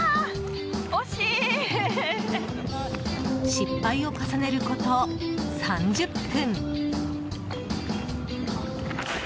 失敗を重ねること、３０分。